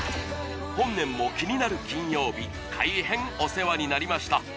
本年も「キニナル金曜日」大変お世話になりました